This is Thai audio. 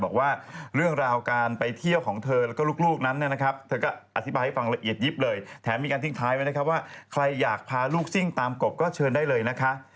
บอกว่าเรื่องราวการไปเที่ยวของเธอและก็ลูกนั้นเนี่ยนะคับแถมมีการทิ้งท้ายไว้นะครับว่าใครอยากพาลูกซิ่งตามกบก็เชิญได้เลยนะคับ